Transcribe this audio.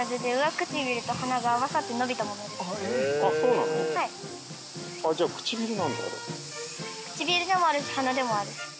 唇でもあるし鼻でもある。